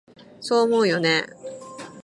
そう思うよね？